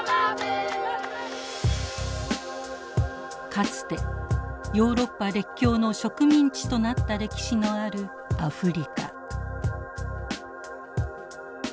かつてヨーロッパ列強の植民地となった歴史のあるアフリカ。